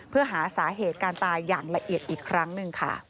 เพื่อหาสาเหตุการตายอย่างละเอียดอีกครั้งหนึ่งค่ะ